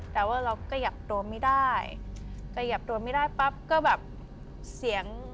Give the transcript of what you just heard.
แต่ว่าเราขยับตัวไม่ได้ขยับตัวไม่ได้ปั๊บก็แบบเสียง